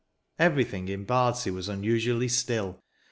Everything in Bardsea was unusually still.